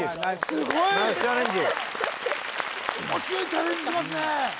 すごい面白いチャレンジしますね